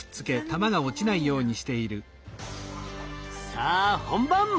さあ本番！